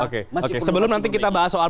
oke masih sebelum nanti kita bahas soal